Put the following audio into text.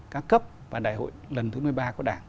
đã cấp vào đại hội lần thứ một mươi ba của đảng